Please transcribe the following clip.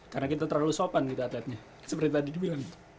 karena kita terlalu sopan kita atletnya seperti tadi dibilang